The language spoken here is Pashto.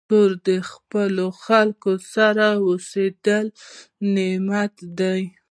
کور د خپلو خلکو سره د اوسېدو نعمت دی.